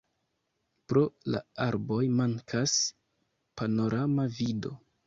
Pro la arboj mankas panorama vido.